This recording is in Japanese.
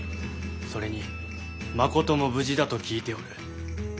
それに真琴も無事だと聞いておる。